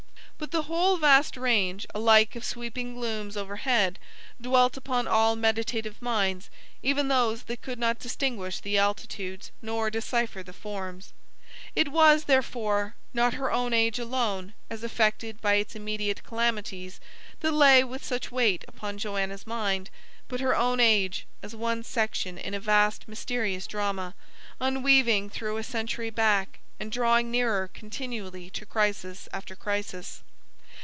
But the whole vast range alike of sweeping glooms overhead, dwelt upon all meditative minds, even those that could not distinguish the altitudes nor decipher the forms. It was, therefore, not her own age alone, as affected by its immediate calamities, that lay with such weight upon Joanna's mind; but her own age, as one section in a vast mysterious drama, unweaving through a century back, and drawing nearer continually to crisis after crisis.